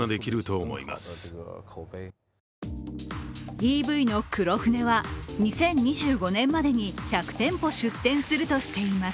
ＥＶの黒船は２０２５年までに１００店舗出店するとしています。